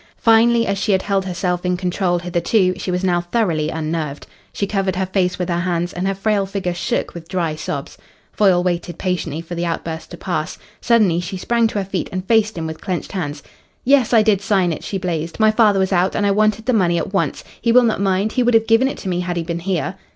Finely as she had held herself in control hitherto, she was now thoroughly unnerved. She covered her face with her hands, and her frail figure shook with dry sobs. Foyle waited patiently for the outburst to pass. Suddenly she sprang to her feet and faced him with clenched hands. "Yes, I did sign it," she blazed. "My father was out, and I wanted the money at once. He will not mind he would have given it to me had he been here."